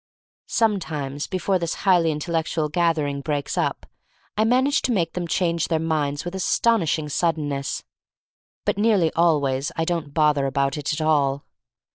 Some times before this highly intellectual gathering breaks up I manage to make them change their minds with astonish ing suddenness. But nearly always I don't bother about it at all.